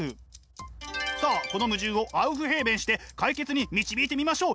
さあこの矛盾をアウフヘーベンして解決に導いてみましょう。